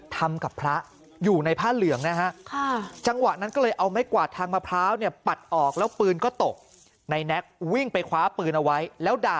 ทำกับพระอยู่ในผ้าเหลืองนะฮะจังหวะนั้นก็เลยเอาไม้กวาดทางมะพร้าวเนี่ยปัดออกแล้วปืนก็ตกนายแน็กวิ่งไปคว้าปืนเอาไว้แล้วด่า